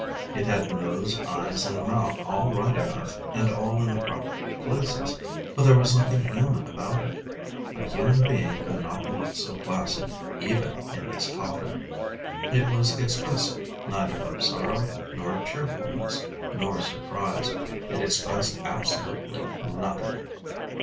_ It had nose, eyes, and mouth all right enough, and all in the proper places; but there was nothing human about it. A human being could not look so placid—even in his coffin. It was expressive neither of sorrow, nor cheerfulness, nor surprise—it expressed absolutely nothing!